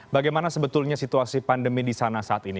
bagaimana sebetulnya situasi pandemi di sana saat ini